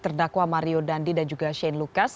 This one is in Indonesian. terdakwa mario dandi dan juga shane lucas